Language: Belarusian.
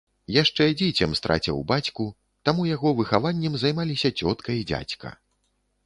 Яшчэ дзіцем страціў бацьку, таму яго выхаваннем займаліся цётка і дзядзька.